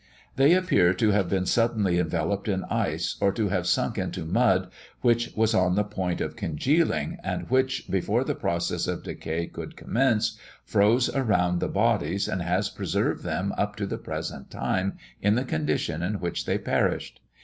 They appear to have been suddenly enveloped in ice, or to have sunk into mud which was on the point of congealing, and which, before the process of decay could commence, froze around the bodies, and has preserved them up to the present time in the condition in which they perished.